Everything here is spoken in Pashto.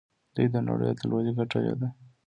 دوی د نړۍ اتلولي ګټلې ده.